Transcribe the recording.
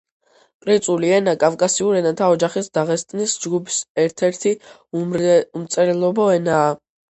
კრიწული ენა კავკასიურ ენათა ოჯახის დაღესტნის ჯგუფის ერთ-ერთი უმწერლობო ენაა.